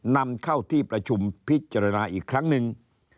นำเข้าที่ประชุมพิจารณาอีกครั้งหนึ่ง